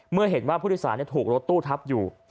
เมื่อเห็นว่าผู้โดยสารถูกรถตู้ทับอยู่